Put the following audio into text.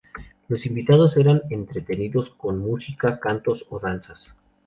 Los invitados eran entretenidos con música, cantos o danzas.